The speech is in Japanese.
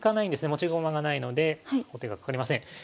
持ち駒がないので王手がかかりません。